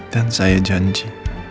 dan saya janji